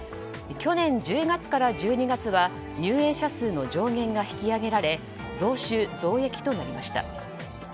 去年１０月から１２月は入園者数の上限が引き上げられ増収増益となりました。